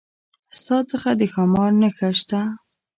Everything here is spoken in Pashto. ستا څخه د ښامار نخښه شته؟